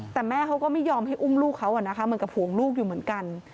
แต่แม่เขาก็ไม่ยอมให้อุ้มลูกเขาเหมือนกับห่วงลูกอยู่เหมือนกัน